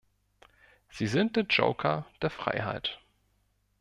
Sie sind der Joker der Freiheit.